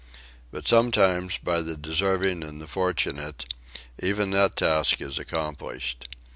But sometimes, by the deserving and the fortunate, even that task is accomplished.